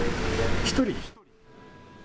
１人。